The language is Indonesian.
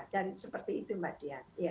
dan seperti itu mbak dian